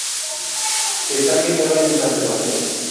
Está ambientada en San Sebastián.